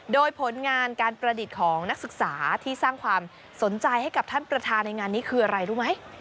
โดยผลงานการประดิษฐ์ของนักศึกษาที่สร้างความสนใจให้กับท่านประธานในงานนี้คืออะไรรู้ไหม